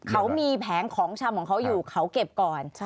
เขามีแผงของชำของเขาอยู่เขาเก็บก่อน